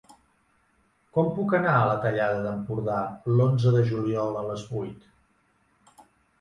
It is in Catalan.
Com puc anar a la Tallada d'Empordà l'onze de juliol a les vuit?